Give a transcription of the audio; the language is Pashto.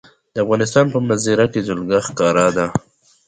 د افغانستان په منظره کې جلګه ښکاره ده.